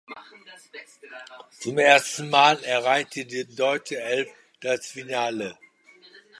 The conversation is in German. Zum ersten Mal erreichte die deutsche Elf das Finale.